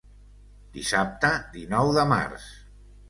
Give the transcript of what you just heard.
Dissabte dinou de març.